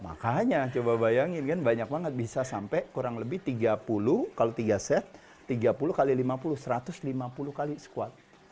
makanya coba bayangin kan banyak banget bisa sampai kurang lebih tiga puluh kalau tiga set tiga puluh kali lima puluh satu ratus lima puluh kali squad